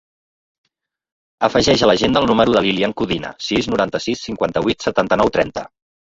Afegeix a l'agenda el número de l'Ilyan Codina: sis, noranta-sis, cinquanta-vuit, setanta-nou, trenta.